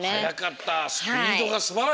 スピードがすばらしい！